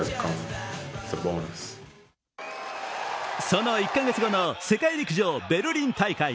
その１カ月後の世界陸上ベルリン大会。